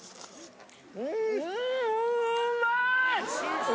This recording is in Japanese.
うんうまい！